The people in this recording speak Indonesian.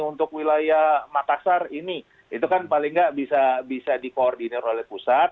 untuk wilayah makassar ini itu kan paling nggak bisa dikoordinir oleh pusat